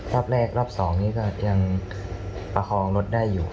รอบแรกรอบ๒นี้ก็ยังประคองรถได้อยู่